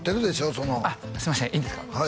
そのすいませんいいんですか？